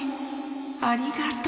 ありがとう。